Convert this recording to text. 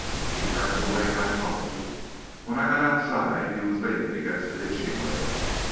He turned away and I followed. When I got outside, he was leaning against the hitching rail.